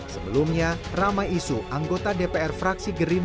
sebelumnya ramai isu anggota dpr fraksi gerindra